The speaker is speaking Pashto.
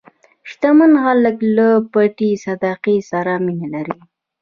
شتمن خلک له پټې صدقې سره مینه لري.